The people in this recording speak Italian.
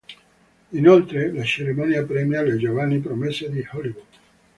Inoltre, la cerimonia premia le giovani promesse di Hollywood.